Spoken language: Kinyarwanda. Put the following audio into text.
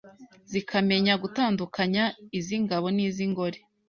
zikamenya gutandukanya iz’ingabo n’iz’ingore